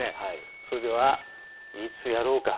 それではいつやろうか。